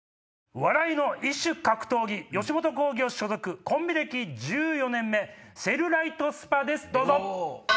笑いの異種格闘技吉本興業所属コンビ歴１４年目セルライトスパですどうぞ。